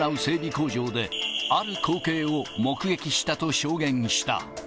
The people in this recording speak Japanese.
工場で、ある光景を目撃したと証言した。